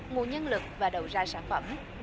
nguồn nhân lực và đầu ra sản phẩm